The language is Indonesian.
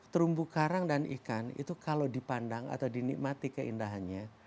terumbu karang dan ikan itu kalau dipandang atau dinikmati keindahannya